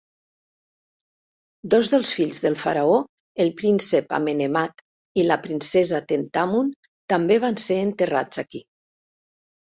Dos dels fills del faraó, el príncep Amenemhat i la princesa Tentamun, també van ser enterrats aquí.